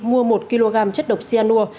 mua một kg chất độc xe nua